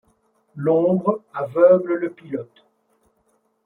L'ombre aveugle le pilote.